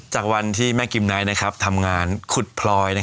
จากวันที่แม่กิมไนท์ทำงานขุดพลอย